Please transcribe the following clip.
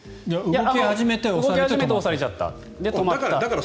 動き始めてから押されちゃったから。